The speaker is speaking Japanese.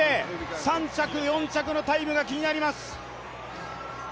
３着、４着のタイムが気になります。